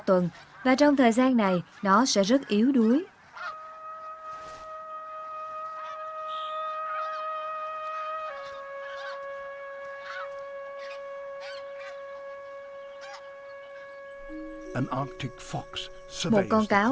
nhưng có thể vận may sẽ đến với kẻ táo bạo